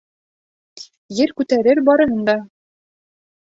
Ер күтәрер барыһын да.